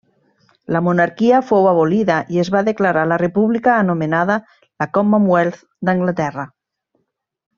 La monarquia fou abolida i es va declarar la república anomenada la Commonwealth d'Anglaterra.